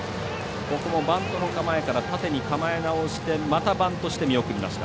バントの構えから縦に構え直してまたバントして見送りました。